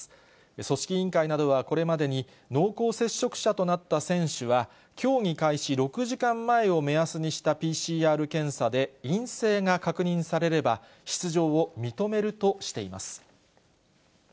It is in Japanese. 組織委員会などはこれまでに濃厚接触者となった選手は、競技開始６時間前を目安にしたＰＣＲ検査で陰性が確認されれば、出場を認めるとしています。